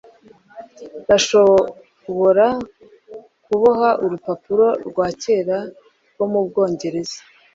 rashobora kuboha Urupapuro rwa kera rwo mu Bwongereza.